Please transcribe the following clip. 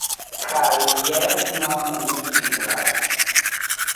Kaj jes nun ni iras